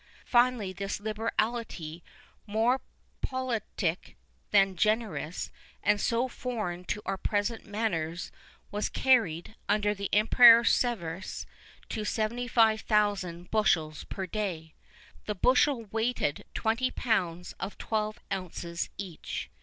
Finally, this liberality, more politic than generous, and so foreign to our present manners, was carried, under the Emperor Severus, to 75,000 bushels per day.[II 37] The bushel weighed twenty pounds of twelve ounces each.